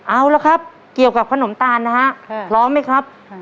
เอาแล้วครับเกี่ยวกับขนมตาลนะครับพร้อมรึไงครับ